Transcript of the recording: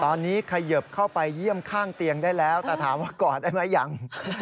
ตอนนี้เขยิบเข้าไปเยี่ยมข้างเตียงได้แล้วแต่ถามว่ากอดได้ไหมยัง